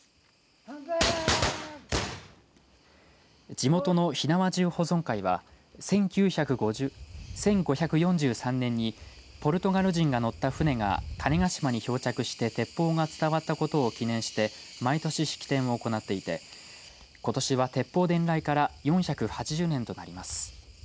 地元の火縄銃保存会は１５４３年にポルトガル人が乗った船が種子島に漂着して鉄砲が伝わったことを記念して毎年式典を行っていてことしは鉄砲伝来から４８０年となります。